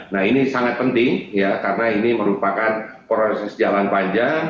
nah ini sangat penting ya karena ini merupakan proses jalan panjang